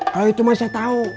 kalo itu mah saya tau